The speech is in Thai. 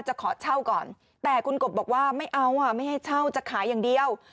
จะขอเช่าก่อนแต่คุณกบบอกว่าไม่เอาอ่ะไม่ให้เช่าจะขายอย่างเดียว